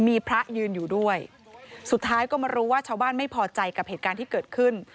มีพระยืนอยู่ด้วยสุดท้ายก็มารู้ว่าชาวบ้านไม่พอใจกับเหตุการณ์ที่เกิดขึ้น